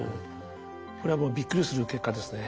これはもうびっくりする結果ですね。